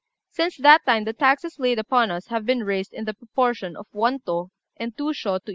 Since that time the taxes laid upon us have been raised in the proportion of one tô and two sho to each koku.